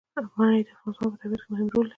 منی د افغانستان په طبیعت کې مهم رول لري.